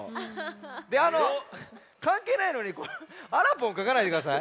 であのかんけいないのにあらぽんかかないでください。